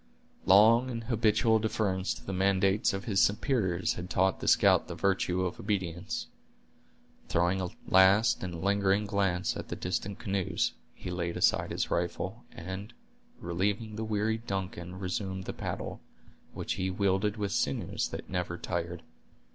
Long and habitual deference to the mandates of his superiors had taught the scout the virtue of obedience. Throwing a last and lingering glance at the distant canoes, he laid aside his rifle, and, relieving the wearied Duncan, resumed the paddle, which he wielded with sinews that never tired.